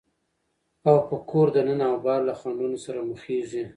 او په کوره دننه او بهر له خنډونو سره مخېږي،